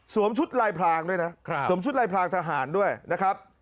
ชุดลายพรางด้วยนะสวมชุดลายพรางทหารด้วยนะครับ